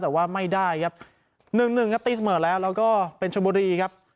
แต่ว่าไม่ได้ครับหนึ่งหนึ่งครับตีเสมอแล้วแล้วก็เป็นชมบุรีครับ